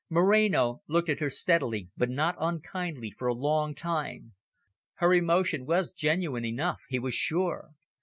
Moreno looked at her steadily, but not unkindly, for a long time. Her emotion was genuine enough, he was sure.